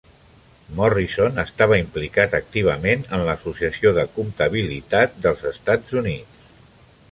Morrison estava implicat activament en l'Associació de Comptabilitat dels Estats Units.